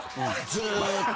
ずっと。